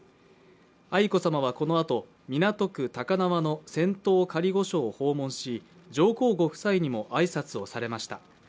愛子さまはこのあと、港区高輪の仙洞仮御所を訪問し、上皇ご夫妻にも挨拶をされました。